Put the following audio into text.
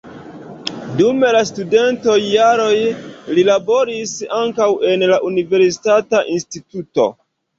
Dum la studentaj jaroj li laboris ankaŭ en la universitata instituto.